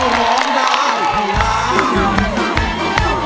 ร้องได้ให้ล้าน